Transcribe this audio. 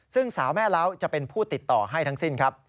ซึ่งสาวแม่เล้าจะเป็นผู้ติดต่อให้ทั้งสิ้นครับ